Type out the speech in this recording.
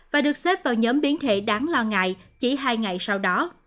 và được xếp vào nhóm biến thể đáng lo ngại chỉ hai ngày sau đó